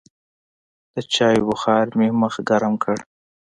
د چايو بخار مې مخ ګرم کړ.